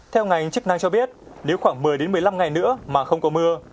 theo ngành chức năng cho biết nếu khoảng một mươi một mươi năm ngày nữa mà không có mưa